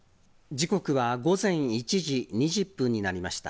時刻は午前１時２０分になりました。